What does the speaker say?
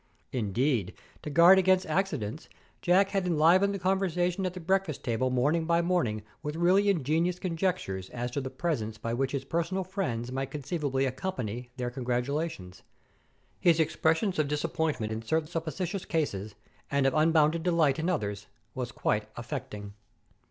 Indeed, to guard against accidents, Jack had enlivened the conversation at the breakfast table morning by morning with really ingenious conjectures as to the presents by which his personal friends might conceivably accompany their congratulations. His expressions of disappointment in certain supposititious cases, and of unbounded delight in others, was quite affecting.